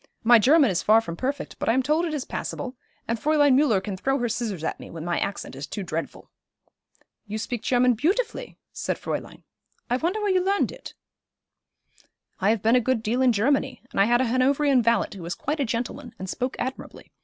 My German is far from perfect, but I am told it is passable, and Fräulein Müller can throw her scissors at me when my accent is too dreadful.' 'You speak German beautifully,' said Fräulein. 'I wonder where you learned it?' 'I have been a good deal in Germany, and I had a Hanoverian valet who was quite a gentleman, and spoke admirably.